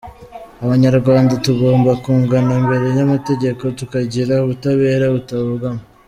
Abanyarwanda tugomba kungana imbere y’amategeko, tukagira ubutabera butabogama.